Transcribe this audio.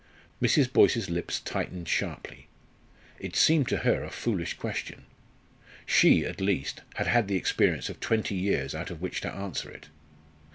Mrs. Boyce's lips tightened sharply. It seemed to her a foolish question. She, at least, had had the experience of twenty years out of which to answer it.